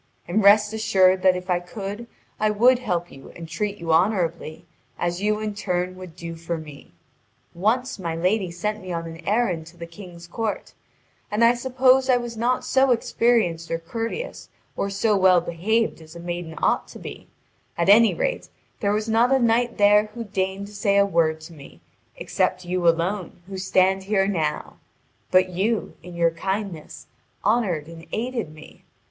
And rest assured that if I could I would help you and treat you honourably, as you in turn would do for me. Once my lady sent me on an errand to the King's court, and I suppose I was not so experienced or courteous or so well behaved as a maiden ought to be; at any rate, there was not a knight there who deigned to say a word to me except you alone who stand here now; but you, in your kindness, honoured and aided me.